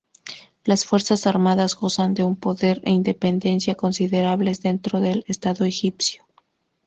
Las Fuerzas Armadas gozan de un poder e independencia considerables dentro del Estado egipcio.